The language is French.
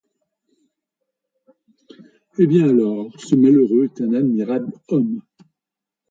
Eh bien alors, ce malheureux est un admirable homme!